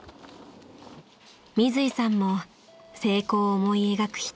［水井さんも成功を思い描く一人］